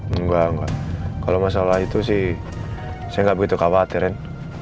enggak enggak kalau masalah itu sih saya nggak begitu khawatirin